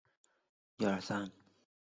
担任高等教育出版社原副总编辑。